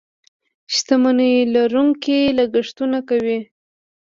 شتمنيو لرونکي لګښتونه کوي.